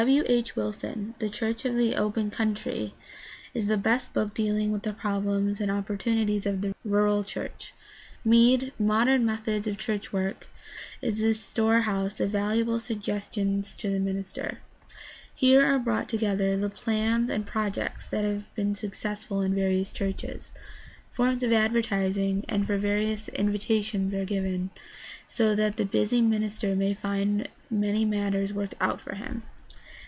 W. H. Wilson, The Church of the Open Country (New York: Missionary Education Move ment, 191 1), is the best book dealing with the problems and opportunities of the rural church. *Mead, Modern Methods of Church Work (New York: George H. Doran & Co., 1896), is a storehouse of valuable sug gestion to the minister. Here are brought together the plans and projects that have been successful in various churches. Forms for advertising and for various invitations are given, so that the busy minis ter may find many matters worked out for him.